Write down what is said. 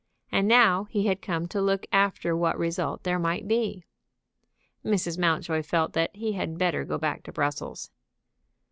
And now he had come to look after what result there might be. Mrs. Mountjoy felt that he had better go back to Brussels.